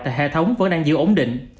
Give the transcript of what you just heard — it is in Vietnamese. tại hệ thống vẫn đang giữ ổn định